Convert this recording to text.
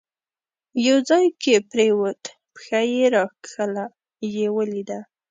یو ځای کې پرېوت، پښه یې راکښله، یې ولیده.